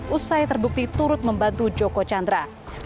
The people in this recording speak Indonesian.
usai terbukti turut membantu joko chandra